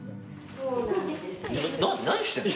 な何してんの？